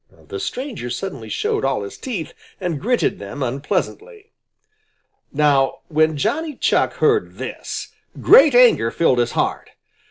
The stranger suddenly showed all his teeth and gritted them unpleasantly. Now when Johnny Chuck heard this, great anger filled his heart.